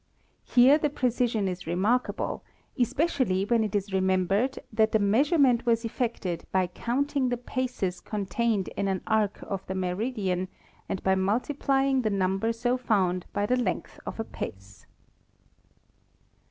Here the precision is remarkable, especially when it is remembered that the measurement was effected by count ing the paces contained in an arc of the meridian and by multiplying the number so found by the length of a pace.